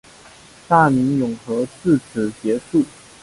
大明永和至此结束。